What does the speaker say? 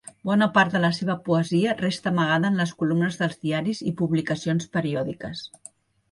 Bona part de la seva poesia resta amagada en les columnes dels diaris i publicacions periòdiques.